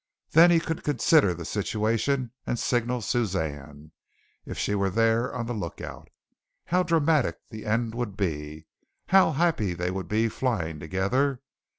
Then he could consider the situation and signal Suzanne; if she were there on the lookout. How dramatic the end would be! How happy they would be flying together!